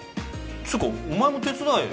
つーかお前も手伝えよ。